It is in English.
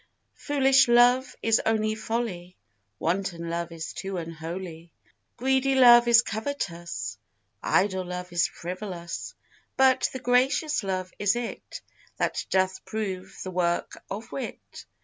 Foolish love is only folly; Wanton love is too unholy; Greedy love is covetous; Idle love is frivolous; But the gracious love is it That doth prove the work of wit.